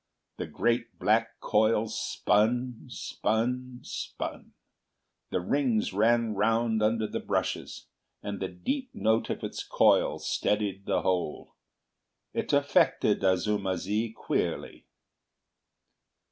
The great black coils spun, spun, spun, the rings ran round under the brushes, and the deep note of its coil steadied the whole. It affected Azuma zi queerly.